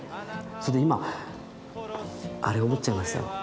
それで今あれ思っちゃいました。